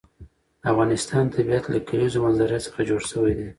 د افغانستان طبیعت له د کلیزو منظره څخه جوړ شوی دی.